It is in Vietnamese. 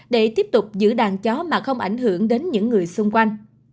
để tiếp tục giữ đàn chó mà không ảnh hưởng đến những người xung quanh